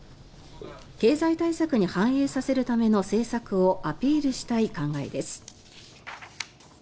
経済対策に反映させるための政策をアピールしたい考えです。